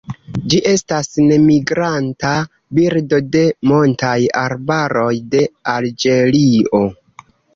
Ĝi estas nemigranta birdo de montaj arbaroj de Alĝerio.